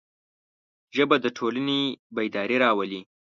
ژبه د ټولنې بیداري راولي